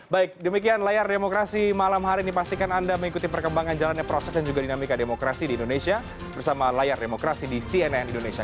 baik demikian layar demokrasi malam hari ini pastikan anda mengikuti perkembangan jalannya proses dan juga dinamika demokrasi di indonesia bersama layar demokrasi di cnn indonesia